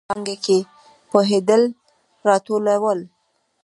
پانګوالو به هغه کسبګر چې په یوه څانګه کې پوهېدل راټولول